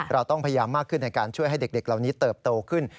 เราต้องพยายามมากขึ้นในการช่วยให้เด็กเหล่านี้เติบโตขึ้น